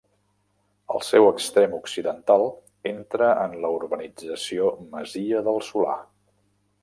El seu extrem occidental entra en la Urbanització Masia del Solà.